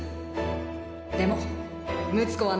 でも睦子は